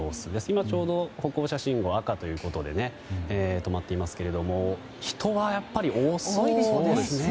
今ちょうど歩行者信号は赤ということで止まっていますが人はやっぱり多そうですね。